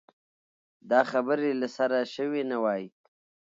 دا خبرې له سره شوې نه وای.